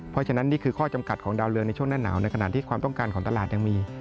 เพราะฉะนั้นนี่คือข้อจำกัดของดาวเรืองในช่วงหน้าหนาวในขณะที่ความต้องการของตลาดยังมี